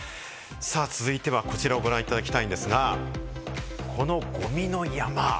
続いてはこちらをご覧いただきたいんですが、このゴミの山、